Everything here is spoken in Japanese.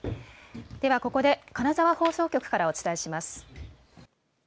ではここで金沢放送局からお伝えします。